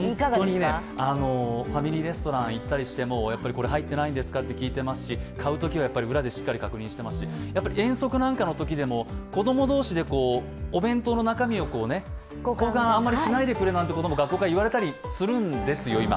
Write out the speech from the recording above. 本当にね、ファミリーレストラン行ったりしても「これ入っていませんか？」って聞きますし買うときは裏でしっかり確認していますし、遠足なんかのときでも子供同士でお弁当の中身を交換、あんまりしないでくれなんていうことも学校からいわれたりするんですよ、今。